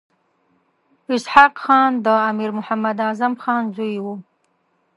اسحق خان د امیر محمد اعظم خان زوی وو.